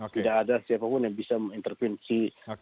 tidak ada siapapun yang bisa mengintervensi